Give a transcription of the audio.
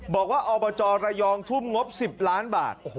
บอกว่าอบจระยองทุ่มงบ๑๐ล้านบาท